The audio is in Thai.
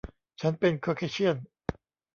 ฉันเป็นคอร์เคเชี่ยน